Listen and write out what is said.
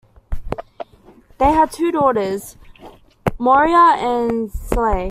They had two daughters, Moira and Shelagh.